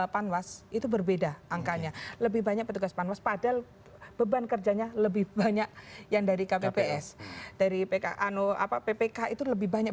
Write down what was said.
fragmen perusahaan dengan kebijakannya